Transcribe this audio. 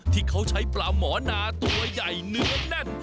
ที่เขาใช้ปลาหมอนาตัวใหญ่เนื้อแน่น